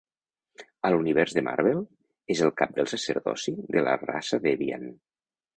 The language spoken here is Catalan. A l'Univers de Marvel, és el cap del sacerdoci de la raça Deviant.